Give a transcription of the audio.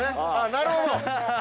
なるほど。